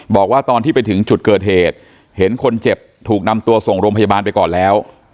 บอกว่าตอนที่ไปถึงจุดเกิดเหตุเห็นคนเจ็บถูกนำตัวส่งโรงพยาบาลไปก่อนแล้ว